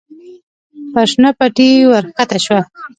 پر شنه پټي ور کښته شوه.